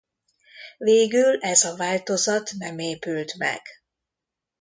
Végül ez a változat nem épült meg.